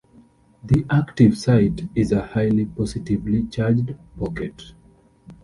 The active site is a highly positively charged pocket.